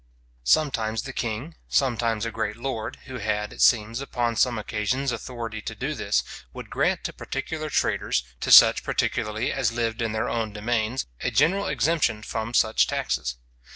Sometimes the king, sometimes a great lord, who had, it seems, upon some occasions, authority to do this, would grant to particular traders, to such particularly as lived in their own demesnes, a general exemption from such taxes.